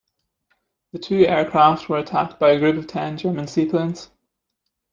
The two aircraft were attacked by a group of ten German seaplanes.